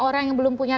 orang yang belum punya